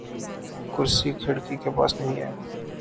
کرسی کھڑکی کے پاس نہیں ہے